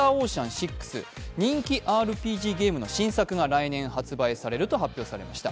人気ＲＰＧゲームの新作が来年発売されると発表されました。